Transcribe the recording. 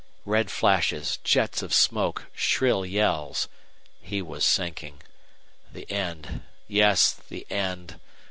Red flashes, jets of smoke, shrill yells! He was sinking. The end; yes, the end!